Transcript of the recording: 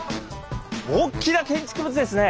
おっきな建築物ですね！